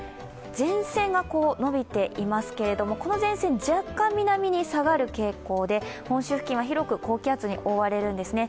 前線が伸びていますけれども、この前線、若干南に下がる傾向で、本州付近は広く高気圧に覆われるんですね。